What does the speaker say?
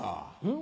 ん？